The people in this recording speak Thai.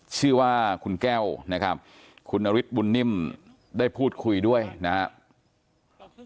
ชื่อว่าคุณแก้วนะครับคุณนฤทธิบุญนิ่มได้พูดคุยด้วยนะครับ